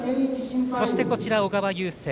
そして小川雄勢。